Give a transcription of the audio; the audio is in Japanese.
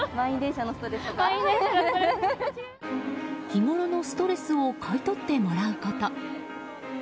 日頃のストレスを買い取ってもらうこと。